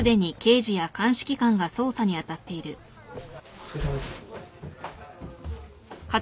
お疲れさまです。